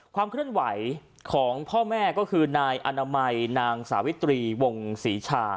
ความเคลื่อนไหวของพ่อแม่ก็คือนายอนามัยนางสาวิตรีวงศรีชา